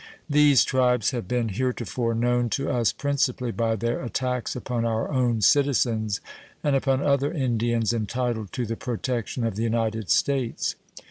These tribes have been heretofore known to us principally by their attacks upon our own citizens and upon other Indians entitled to the protection of the United States.